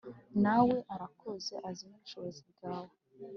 nawe arakuzi azi n’ubushobozi bwawe